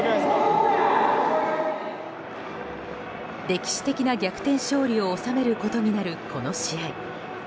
歴史的な逆転勝利を収めることになる、この試合。